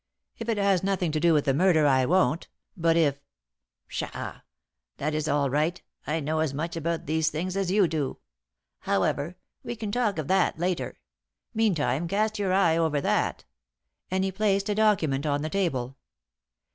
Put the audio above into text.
"If it has nothing to do with the murder I won't; but if " "Pshaw! that is all right, I know as much about these things as you do. However, we can talk of that later. Meantime cast your eye over that," and he placed a document on the table.